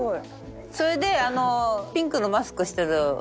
それであのピンクのマスクしてる。